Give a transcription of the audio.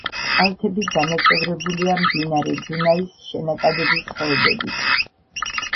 კალთები დანაწევრებულია მდინარე დუნაის შენაკადების ხეობებით.